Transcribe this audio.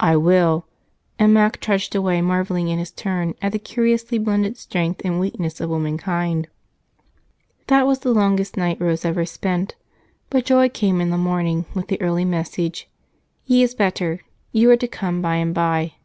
"I will!" And Mac trudged away, marveling in his turn at the curiously blended strength and weakness of womankind. That was the longest night Rose ever spent, but joy came in the morning with the early message: "He is better. You are to come by and by."